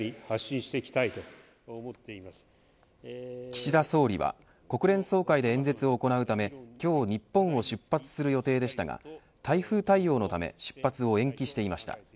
岸田総理は国連総会で演説を行うため今日、日本を出発する予定でしたが台風対応のため出発を延期していました。